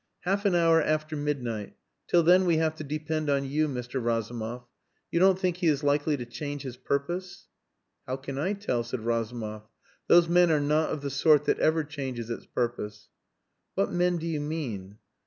"Half an hour after midnight. Till then we have to depend on you, Mr. Razumov. You don't think he is likely to change his purpose?" "How can I tell?" said Razumov. "Those men are not of the sort that ever changes its purpose." "What men do you mean?"